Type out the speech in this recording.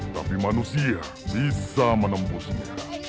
tapi manusia bisa menembusnya